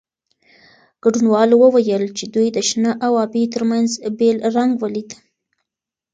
ګډونوالو وویل چې دوی د شنه او ابي ترمنځ بېل رنګ ولید.